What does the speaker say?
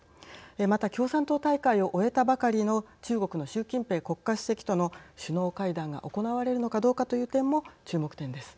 また共産党大会を終えたばかりの中国の習近平国家主席との首脳会談が行われるのかどうかという点も注目点です。